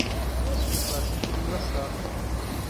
Isso me faz sentir engraçado.